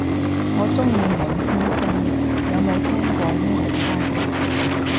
我鍾意滿天星，有冇聽過呢隻花